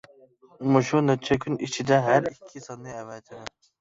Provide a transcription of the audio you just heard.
مۇشۇ نەچچە كۈن ئىچىدە ھەر ئىككى ساننى ئەۋەتىمەن.